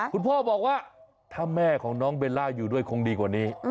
คุณพ่อบอกว่าถ้าแม่ของน้องเบลล่าอยู่ด้วยคงดีกว่านี้